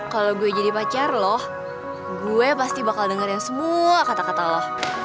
kalau gue jadi pacar loh gue pasti bakal dengerin semua kata kata allah